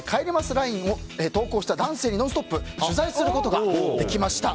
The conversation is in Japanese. ＬＩＮＥを投稿した男性に、「ノンストップ！」は取材することができました。